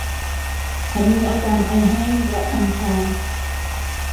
ฉันมีอาการไอแห้ง และ คันคอ